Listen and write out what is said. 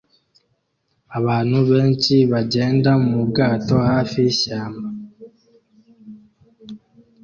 Abantu benshi bagenda mu bwato hafi yishyamba